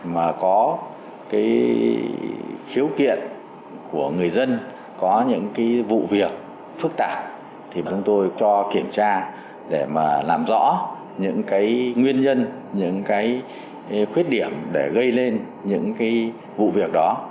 mà có cái khiếu kiện của người dân có những vụ việc phức tạp thì chúng tôi cho kiểm tra để mà làm rõ những cái nguyên nhân những cái khuyết điểm để gây lên những cái vụ việc đó